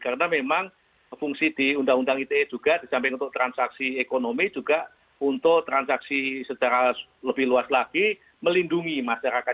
karena memang fungsi di undang undang ite juga di samping untuk transaksi ekonomi juga untuk transaksi secara lebih luas lagi melindungi masyarakat